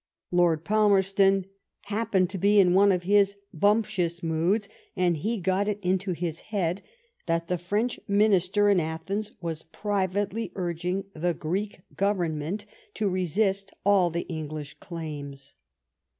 Lord Palmerston happened to be in one of his bumptious moods, and he had got it into his head that the French Minister in Athens was privately urging the Greek Government to resist all the English claims.